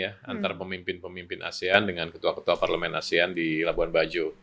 antara pemimpin pemimpin asean dengan ketua ketua parlemen asean di labuan bajo